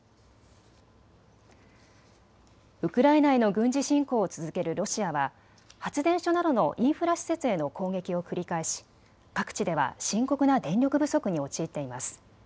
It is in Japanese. ウクライナへの軍事侵攻を続けるロシアは発電所などのインフラ施設への攻撃を繰り返し各地では深刻な電力不足に陥っています。